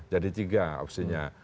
jadi tiga opsinya